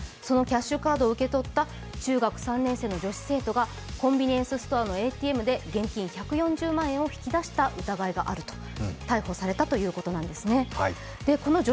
そのキャッシュカードを受け取った中学３年生の女子生徒がコンビニエンスストアのＡＴＭで現金１４０万円を引き出した疑いがあり、逮捕されたということなんですね。